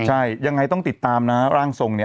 ใช่ยังไงต้องติดตามนะร่างทรงเนี่ย